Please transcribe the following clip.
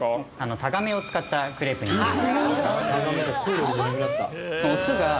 タガメを使ったクレープになります。